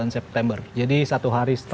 dua puluh sembilan september jadi satu hari setelah